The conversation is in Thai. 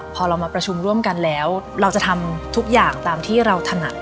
พอเรามาประชุมร่วมกันแล้วเราจะทำทุกอย่างตามที่เราถนัด